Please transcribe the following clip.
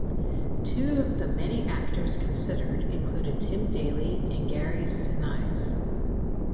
Two of the many actors considered included Tim Daly and Gary Sinise.